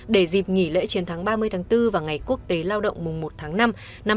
để dịp nghỉ lễ chiến thắng ba mươi tháng bốn và ngày quốc tế lao động mùng một tháng năm năm hai nghìn hai mươi bốn